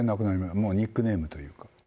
もうニックネームというか。